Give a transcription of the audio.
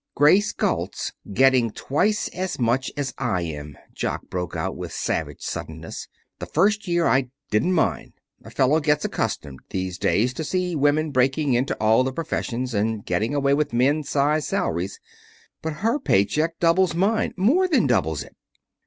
"Grace Galt's getting twice as much as I am," Jock broke out, with savage suddenness. "The first year I didn't mind. A fellow gets accustomed, these days, to see women breaking into all the professions and getting away with men size salaries. But her pay check doubles mine more than doubles it."